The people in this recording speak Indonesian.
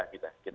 kita enggak ada